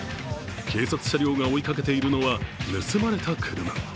警察車両が追いかけているのは、盗まれた車。